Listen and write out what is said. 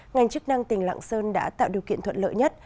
ngành chức năng tỉnh lạng sơn đã tạo điều kiện thuận lợi nhất